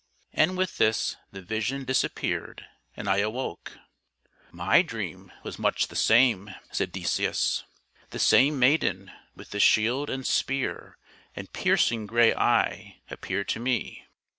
And with this, the vision dis appeared and I awoke." " My dream was much the same," said Decius. " The same maiden with the shield and spear and piercing gray eye appeared to me.